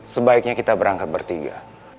sebaiknya kita berangkat bertiga